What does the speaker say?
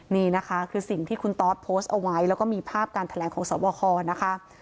นี่นะคะคือสิ่งที่คุณตอสโพสต์เอาไว้แล้วก็มีภาพการแถลงของสวบคนะคะ